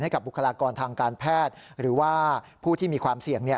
บุคลากรทางการแพทย์หรือว่าผู้ที่มีความเสี่ยง